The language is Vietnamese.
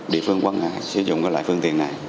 địa phương quân sử dụng loại phương tiện này